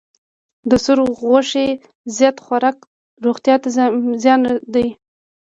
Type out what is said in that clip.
د سور غوښې زیات خوراک روغتیا ته زیانمن دی.